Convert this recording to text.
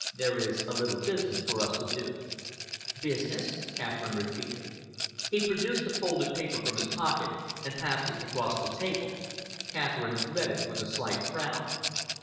There is a little business for us to do." "Business?" Catherine repeated. He produced a folded paper from his pocket and passed it across the table. Catherine read it with a slight frown.